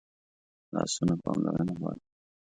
لاسونه پاملرنه غواړي